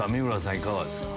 いかがですか？